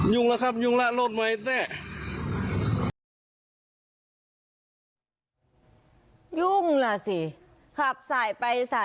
ยุ่งล่ะครับยุ่งล่ะรถมาไอ้แท่